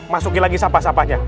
masukin lagi sampah sampahnya